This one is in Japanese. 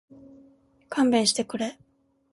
勘弁してくれ